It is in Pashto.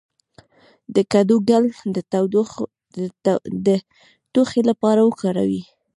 د کدو ګل د ټوخي لپاره وکاروئ